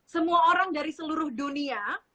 semua orang dari seluruh dunia